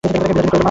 বিনোদিনী কহিল, না।